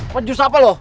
penjus apa lo